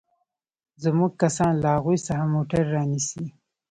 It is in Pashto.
زموږ کسان له هغوى څخه موټر رانيسي.